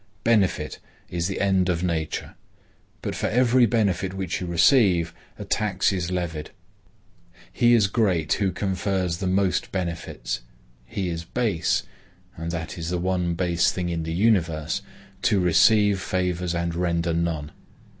Benefit is the end of nature. But for every benefit which you receive, a tax is levied. He is great who confers the most benefits. He is base,—and that is the one base thing in the universe,—to receive favors and render none.